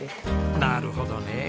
なるほどねえ。